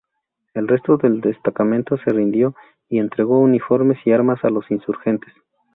El resto del destacamento se rindió y entregó uniformes y armas a los insurgentes.